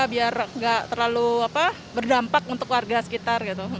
biar nggak terlalu berdampak untuk warga sekitar